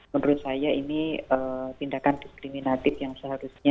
menurut saya ini tindakan diskriminatif yang seharusnya